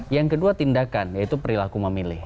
yang kedua tindakan yaitu perilaku memilih